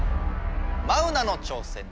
マウナの挑戦です。